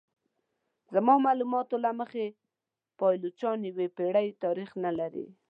زما معلومات له مخې پایلوچان یوې پیړۍ تاریخ نه لري.